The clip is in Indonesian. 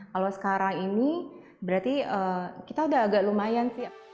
kalau sekarang ini berarti kita udah agak lumayan sih